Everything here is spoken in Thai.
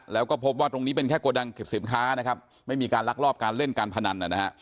แล้วก็พบว่าตรงนี้เป็นแค่กระดังเก็บสินค้าไม่มีการลักรอบการเล่นการพนัน